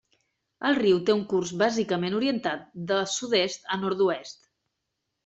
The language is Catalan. El riu té un curs bàsicament orientat de sud-est a nord-oest.